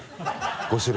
５種類。